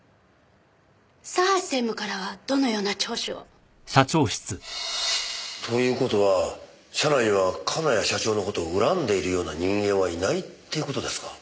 佐橋専務からはどのような聴取を？という事は社内には金谷社長の事を恨んでいるような人間はいないっていう事ですか？